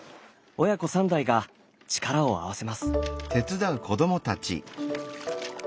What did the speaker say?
親子３代が力を合わせます。